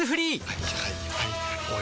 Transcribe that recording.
はいはいはいはい。